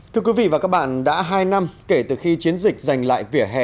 thưa quý vị và các bạn đã hai năm kể từ khi chiến dịch giành lại vỉa hè